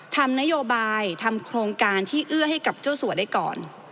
ทำนโยบายทำโครงการที่เอื้อให้กับเจ้าสัวได้ก่อน